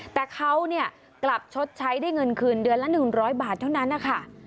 แต่เขาเนี่ยกลับชดใช้ได้เงินคืนเดือนละหนึ่งร้อยบาทเท่านั้นนะคะ